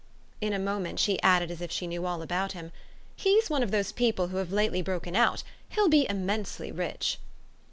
In a moment she added as if she knew all about him. "He's one of those people who have lately broken out. He'll be immensely rich."